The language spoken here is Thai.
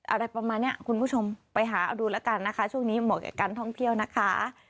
อะไรประมาณนี้คุณผู้ชมไปหาเอาดูแล้วกันนะคะช่วงนี้เหมาะกับการท่องเที่ยวนะคะ